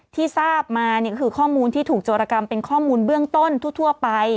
ที่ทราบมาคือข้อมูลที่ถูกโจรกรรมเป็นข้อมูลเบื้องต้นทั่วไป